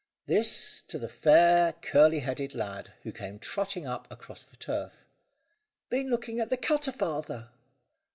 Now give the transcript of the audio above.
This to the fair curly headed lad, who came trotting up across the short turf. "Been looking at the cutter, father?"